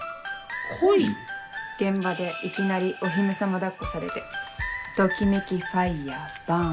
現場でいきなりお姫様抱っこされてときめきファイアバーン。